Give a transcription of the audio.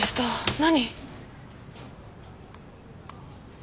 何？